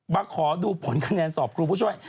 มาขอดูผลคะแนนสอบครูผู้ช่วย